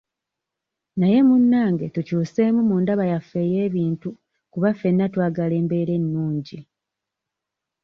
Naye munnange tukyuseemu mu ndaba yaffe ey'ebintu kuba ffena twagala embeera ennungi.